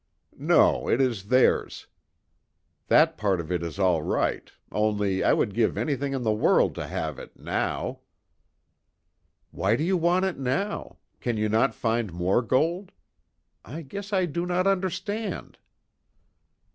"No, it is theirs. That part of it is all right only I would give anything in the world to have it now." "Why do you want it now? Can you not find more gold? I guess I do not understand."